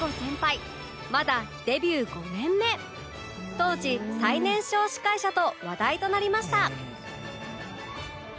当時最年少司会者と話題となりました